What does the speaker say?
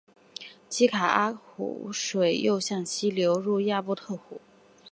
基阿卡湖水又向西流入亚伯特湖。